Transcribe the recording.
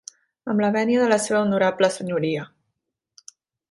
Amb la venia de la seva honorable senyoria.